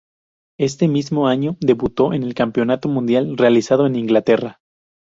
Este mismo año debutó en el campeonato mundial realizado en Inglaterra.